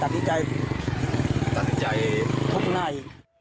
ตัดติดใจ